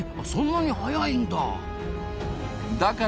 そんなに速いんだ！